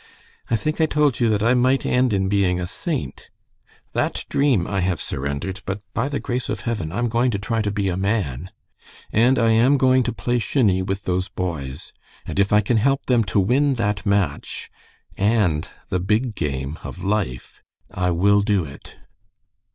I think I told you that I might end in being a saint. That dream I have surrendered, but, by the grace of heaven, I'm going to try to be a man. And I am going to play shinny with those boys, and if I can help them to win that match, and the big game of life, I will do it.